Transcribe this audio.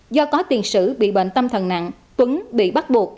do có tiền sử bị bệnh tâm thần nặng tuấn bị bắt buộc